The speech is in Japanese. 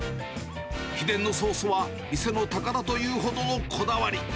秘伝のソースは、店の宝というほどのこだわり。